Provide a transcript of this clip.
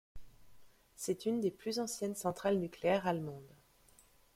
C'est une des plus anciennes centrales nucléaires allemandes.